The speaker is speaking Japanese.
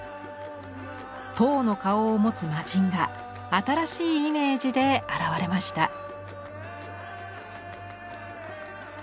１０の顔を持つ魔神が新しいイメージで現れました。